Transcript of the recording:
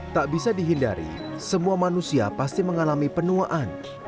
tak bisa dihindari semua manusia pasti mengalami penuaan